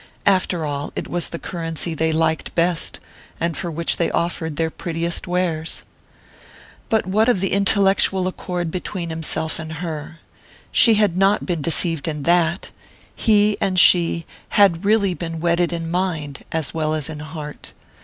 After all, it was the currency they liked best, and for which they offered their prettiest wares! But what of the intellectual accord between himself and her? She had not been deceived in that! He and she had really been wedded in mind as well as in heart.